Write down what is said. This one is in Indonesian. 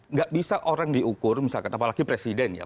nggak bisa orang diukur misalkan apalagi presiden ya